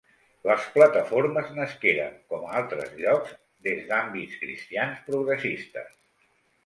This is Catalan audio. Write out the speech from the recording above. Les plataformes nasqueren, com a altres llocs, des d'àmbits cristians progressistes.